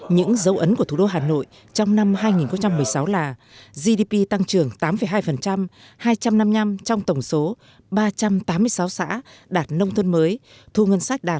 những dấu ấn của thủ đô hà nội trong năm hai nghìn một mươi sáu là gdp tăng trưởng tám hai hai trăm năm mươi năm trong tổng số ba trăm tám mươi sáu xã đạt nông thôn mới thu ngân sách đạt một trăm tám mươi năm